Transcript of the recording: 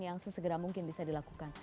yang sesegera mungkin bisa dilakukan